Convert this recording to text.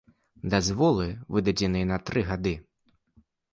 Дазволы выдадзеныя на тры гады.